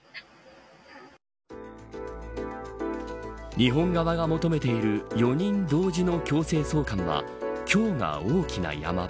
日本側が求めている４人同時の強制送還は今日が大きなヤマ場。